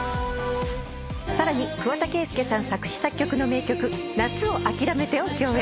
さらに桑田佳祐さん作詞作曲の名曲『夏をあきらめて』を共演。